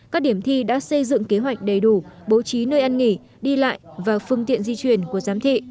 các điểm thi đã xây dựng kế hoạch đầy đủ bố trí nơi ăn nghỉ đi lại và phương tiện di chuyển của giám thị